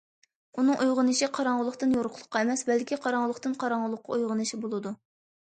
ئۇنىڭ ئويغىنىشى قاراڭغۇلۇقتىن يورۇقلۇققا ئەمەس، بەلكى قاراڭغۇلۇقتىن قاراڭغۇلۇققا ئويغىنىش بولىدۇ.